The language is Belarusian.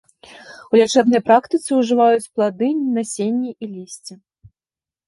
У лячэбнай практыцы ўжываюць плады, насенне і лісце.